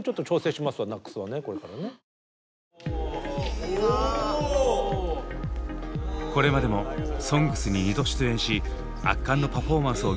これまでも「ＳＯＮＧＳ」に２度出演し圧巻のパフォーマンスを見せてくれたＢＴＳ。